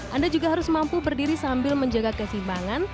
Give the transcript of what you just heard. anda juga harus mampu berdiri sambil menjaga kesimbangan